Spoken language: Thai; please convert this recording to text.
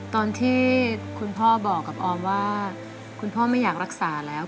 ตอนที่คุณพ่อบอกกับออมว่าคุณพ่อไม่อยากรักษาแล้ว